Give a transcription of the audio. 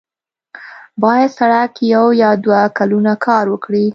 باید سړک یو یا دوه کلونه کار ورکړي.